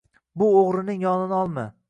– Bu o‘g‘rining yonini olma!